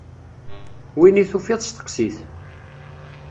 Win i tufiḍ steqsi-t!